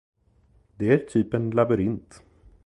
Det är typ en labyrint.